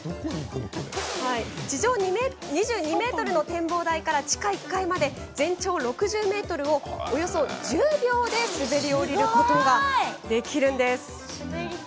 地上２２ｍの展望台から地下１階まで全長６０ｍをおよそ１０秒で滑り降りることができます。